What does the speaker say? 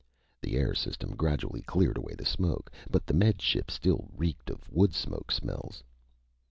The air system gradually cleared away the smoke, but the Med Ship still reeked of wood smoke smells.